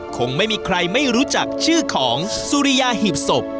คงไม่มีใครไม่รู้จักชื่อของสุริยาหีบศพ